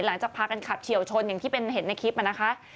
หลังจากพาการขับเชี่ยวชนอย่างที่เห็นในคลิปนะคะ